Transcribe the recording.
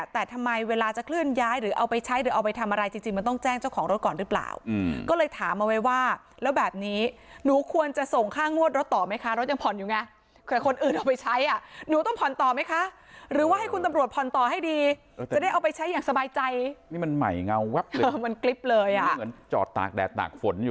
แต่ทำไมเวลาจะเคลื่อนย้ายหรือเอาไปใช้หรือเอาไปทำอะไรจริงจริงมันต้องแจ้งเจ้าของรถก่อนหรือเปล่าอืมก็เลยถามเอาไว้ว่าแล้วแบบนี้หนูควรจะส่งค่างวดรถต่อไหมค่ะรถยังผ่อนอยู่ไงคนอื่นเอาไปใช้อ่ะหนูต้องผ่อนต่อไหมค่ะหรือว่าให้คุณตำรวจผ่อนต่อให้ดีจะได้เอาไปใช้อย่างสบายใจนี่มันใหม่เงา